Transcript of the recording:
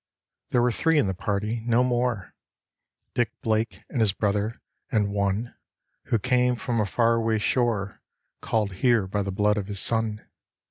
There were three in the party no more: Dick Blake and his brother, and one Who came from a far away shore, called here by the blood of his son.